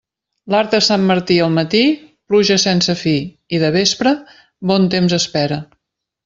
L'arc de Sant Martí al matí, pluja sense fi, i de vespre, bon temps espera.